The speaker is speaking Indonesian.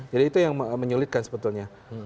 jadi itu yang menyulitkan sebetulnya